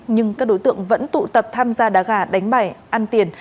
nhưng các đối tượng vẫn tụ tập tham gia đá gà đánh bài ăn tiền